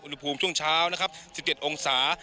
อุณหภูมิช่วงเช้า๑๗องศา